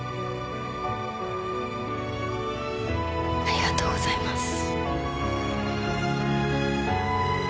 ありがとうございます。